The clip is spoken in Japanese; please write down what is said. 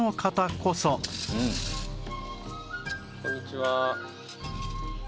こんにちは。